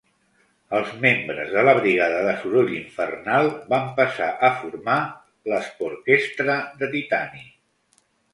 Els membres de la Brigada de soroll infernal van passar a formar l'Esporkestra de titani.